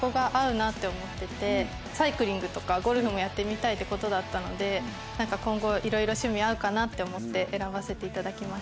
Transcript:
サイクリングとかゴルフもやってみたいって事だったのでなんか今後いろいろ趣味合うかなって思って選ばせていただきました。